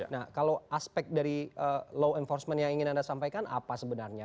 nah kalau aspek dari law enforcement yang ingin anda sampaikan apa sebenarnya